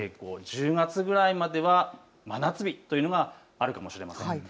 １０月ぐらいまでは真夏日というのはあるかもしれません。